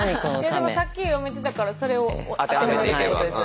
いやでもさっき読めてたからそれを当てはめていくってことですよね？